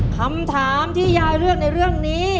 คำถามที่ยายเลือกในเรื่องนี้